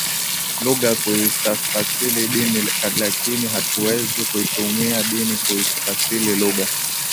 lugha kuifasili dini lakini hatuwezi kuitumia dini kuifasili lugha